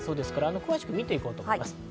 詳しく見て行こうと思います。